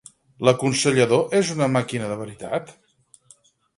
L'aconsellador és una màquina de veritat?